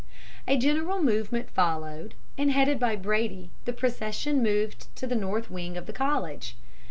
"A general movement followed, and headed by Brady the procession moved to the north wing of the College.